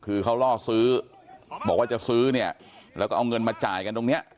คือเขาล่อซื้อบอกว่าจะซื้อเนี่ยแล้วก็เอาเงินมาจ่ายกันตรงเนี้ย